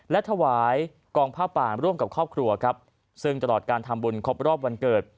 และถวายกองผ้าป่าร่วมกับครอบครัวครับซึ่งตลอดการทำบุญครบรอบวันเกิด